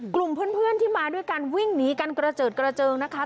กลุ่มเพื่อนที่มาด้วยกันวิ่งหนีกันกระเจิดกระเจิงนะคะ